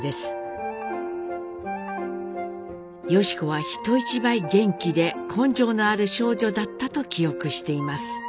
良子は人一倍元気で根性のある少女だったと記憶しています。